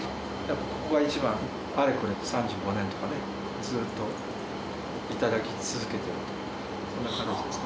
ここが一番、かれこれ３５年、ずっと頂き続けていると。